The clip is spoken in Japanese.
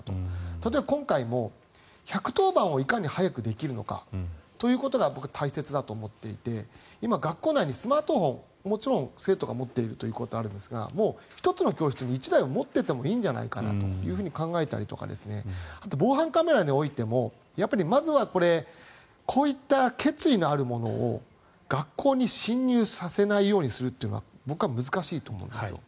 例えば今回も１１０番を、いかに早くできるのかということが大切だと思っていて今、学校内にスマートフォンもちろん生徒が持っているということはあるんですが１つの教室に１台は持っていてもいいんじゃないかと考えたりとかあと防犯カメラにおいてもまずはこれこういった決意のある者を学校に侵入させないようにするのは僕は難しいと思うんですよ。